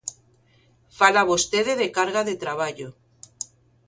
Fala vostede de carga de traballo.